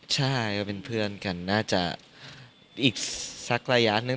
ใช่ก็เป็นเพื่อนกันน่าจะอีกสักระยะหนึ่ง